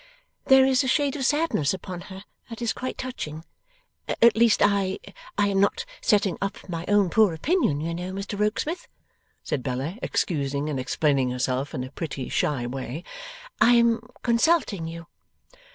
'There is a shade of sadness upon her that is quite touching. At least I I am not setting up my own poor opinion, you know, Mr Rokesmith,' said Bella, excusing and explaining herself in a pretty shy way; 'I am consulting you.